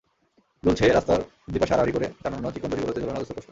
দুলছে রাস্তার দুই পাশে আড়াআড়ি করে টানানো চিকন দড়িগুলোতে ঝোলানো অজস্র পোস্টার।